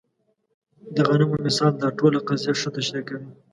د غنمو مثال دا ټوله قضیه ښه تشریح کوي.